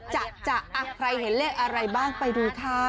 จะใครเห็นเลขอะไรบ้างไปดูค่ะ